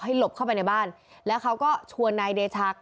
หลบเข้าไปในบ้านแล้วเขาก็ชวนนายเดชา